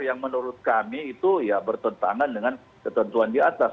yang menurut kami itu ya bertentangan dengan ketentuan di atas